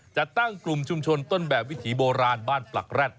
จะตั้งกลุ่มชุมชนต้นแบบวิถีโบราณบ้านปลักแร็ด